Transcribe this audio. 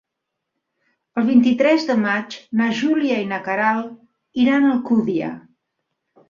El vint-i-tres de maig na Júlia i na Queralt iran a Alcúdia.